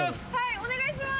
お願いします。